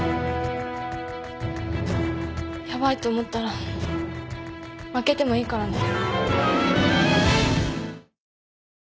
ヤバいと思ったら負けてもいいからね。